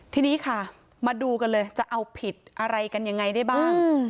ทีนี้ค่ะมาดูกันเลยจะเอาผิดอะไรกันยังไงได้บ้าง